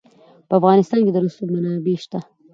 په افغانستان کې د رسوب منابع شته.